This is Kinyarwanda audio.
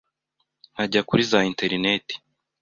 nkajya kuri za interineti,